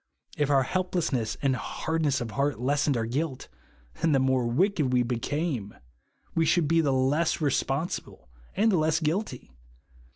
If our helplessness and hardness of heart lessened our guilt, then the more wicked we became, we should be the less re sponsible and the less guilty.